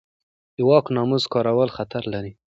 د واک ناسم کارول خطر لري